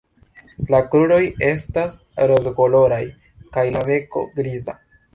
La kruroj estas rozkoloraj kaj la beko griza.